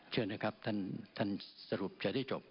เชิญนะครับท่านสรุปจะได้จบ